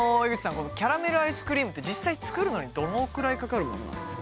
このキャラメルアイスクリームって実際作るのにどのくらいかかるものなんですか？